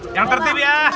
yang tertib ya